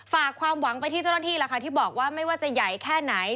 ฝากความหวังไปที่เจ้าหน้าที่ล่ะค่ะที่บอกว่าไม่ว่าจะใหญ่แค่ไหน